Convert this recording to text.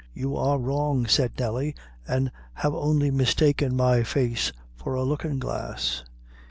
"You are wrong," said Nelly, "an' have only mistaken my face for a lookin' glass.